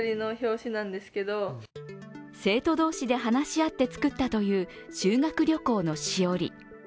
生徒同士で話し合って作ったという修学旅行のしおり。